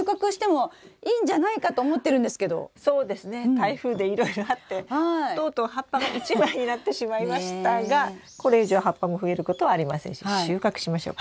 台風でいろいろあってとうとう葉っぱが１枚になってしまいましたがこれ以上葉っぱも増えることはありませんし収穫しましょう。